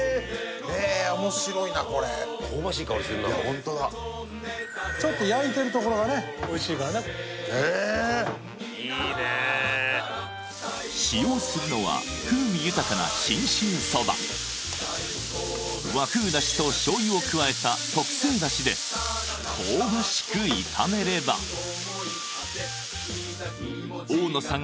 ホントだちょっと焼いてるところがねおいしいからねへえいいね使用するのは風味豊かな信州そば和風出汁と醤油を加えた特製出汁で香ばしく炒めれば大乃さん